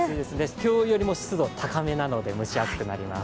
今日よりも湿度高めなので、蒸し暑くなります。